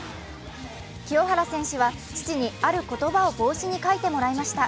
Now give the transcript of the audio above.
清原選手は父に、ある言葉を帽子に書いてもらいました。